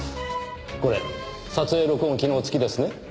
これ撮影録音機能付きですね？